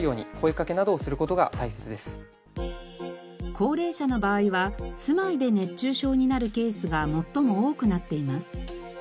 高齢者の場合は住まいで熱中症になるケースが最も多くなっています。